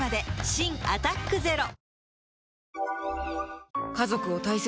新「アタックＺＥＲＯ」